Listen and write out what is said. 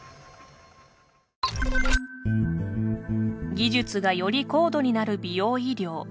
技術がより高度になる美容医療。